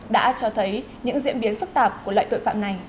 đã cho thấy những diễn biến phức tạp của loại tội phạm này